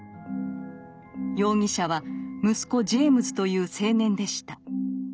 容疑者は息子ジェイムズという青年でした。